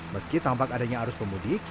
meski tampak adanya arus pemudik